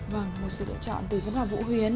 vâng một sự lựa chọn từ giám khảo vũ huyến